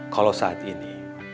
kalau saat ini